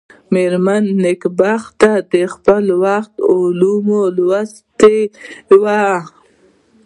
مېرمن نېکبختي د خپل وخت علوم لوستلي ول.